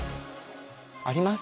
あります？